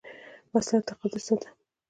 وسله د تقدس ضد ده